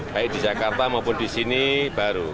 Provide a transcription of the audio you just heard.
baik di jakarta maupun di sini baru